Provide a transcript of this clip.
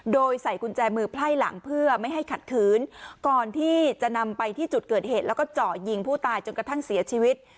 โดยใส่กุญแจมือไพร่หลังเพื่อไม่ให้ขัดขืนก่อนที่จะนำไปที่จุดเกิดเหตุแล้วก็เจาะยิงผู้ตายจนกระทั่งเสียชีวิต